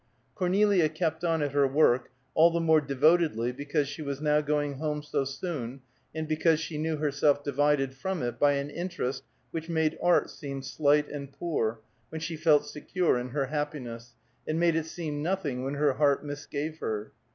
Cornelia kept on at her work, all the more devotedly because she was now going home so soon and because she knew herself divided from it by an interest which made art seem slight and poor, when she felt secure in her happiness, and made it seem nothing when her heart misgave her.